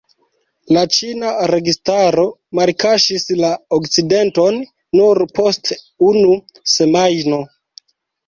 La ĉina registaro malkaŝis la akcidenton nur post unu semajno.